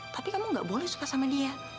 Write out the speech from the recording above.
tapi kamu gak boleh suka sama dia